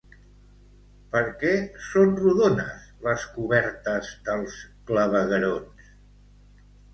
Per què són rodones les cobertes dels claveguerons?